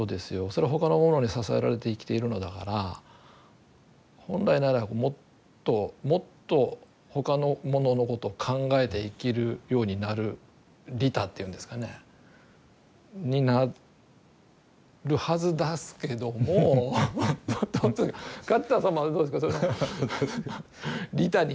それは他のものに支えられて生きているのだから本来ならもっともっと他のもののことを考えて生きるようになる利他っていうんですかねになるはずですけども梶田様はどうですかその利他になれますか。